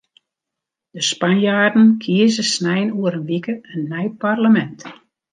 De Spanjaarden kieze snein oer in wike in nij parlemint.